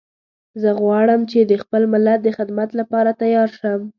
زه غواړم چې د خپل ملت د خدمت لپاره تیار شم